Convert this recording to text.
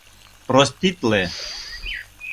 — Проститле!